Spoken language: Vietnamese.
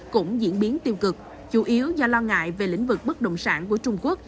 cũng diễn biến tiêu cực chủ yếu do lo ngại về lĩnh vực bất động sản của trung quốc